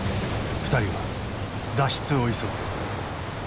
２人は脱出を急ぐ。